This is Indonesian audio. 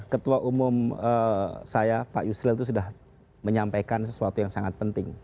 ketua umum saya pak yusril itu sudah menyampaikan sesuatu yang sangat penting